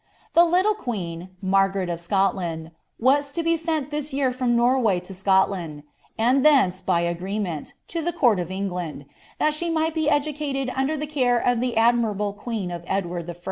The little queen. Margaret of Scotland, was lo be s> from Norway to Scotland, and thence, by agreement, to t England, that she might be educated under the care of ths igueen of Edward I.